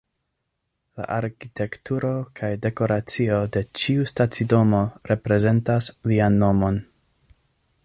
La arkitekturo kaj dekoracio de ĉiu stacidomo reprezentas lian nomon.